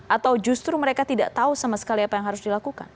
atau justru mereka tidak tahu sama sekali apa yang harus dilakukan